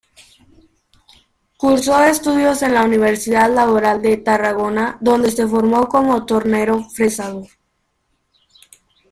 Cursó estudios en la Universidad Laboral de Tarragona donde se formó como tornero-fresador.